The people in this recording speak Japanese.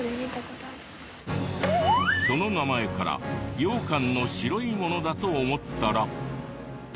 その名前からようかんの白いものだと思ったら。